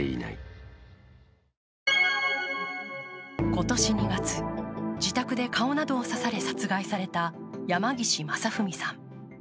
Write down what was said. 今年２月、自宅で顔などを刺され殺害された山岸正文さん。